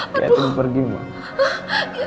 mbak catherine pergi mbak